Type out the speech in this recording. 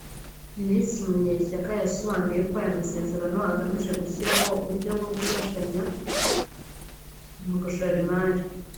Minisitiri Munyeshyaka yasobanuye ko aya masezerano agamije gushyiraho uburyo bwo gufashanya mu gushora imari